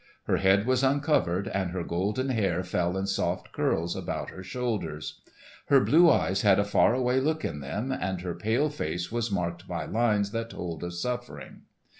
Her head was uncovered, and her golden hair fell in soft curls about her shoulders. Her blue eyes had a far away look in them, and her pale face was marked by lines that told of suffering.